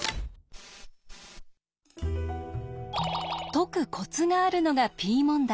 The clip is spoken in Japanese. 解くコツがあるのがＰ問題。